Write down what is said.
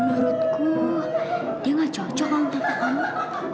menurutku dia gak cocok sama tante ami